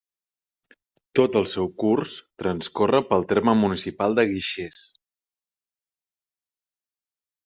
Tot el seu curs transcorre pel terme municipal de Guixers.